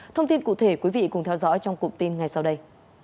thông tin cụ thể quý vị cùng theo dõi trong cụm tin ngay sau đây